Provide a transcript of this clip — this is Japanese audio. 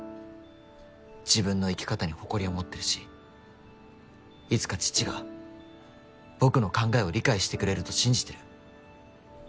自分の生き方に誇りを持ってるしいつか父が僕の考えを理解してくれると信じてる。